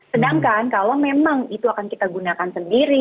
sedangkan kalau memang itu akan kita gunakan sendiri